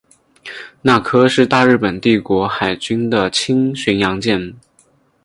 那珂是大日本帝国海军的轻巡洋舰。